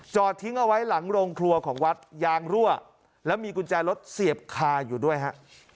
จอดทิ้งเอาไว้หลังโรงครัวของวัดยางรั่วแล้วมีกุญแจรถเสียบคาอยู่ด้วยฮะ